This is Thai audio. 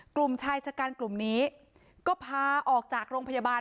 กลุ่มชายชะกันกลุ่มนี้ก็พาออกจากโรงพยาบาล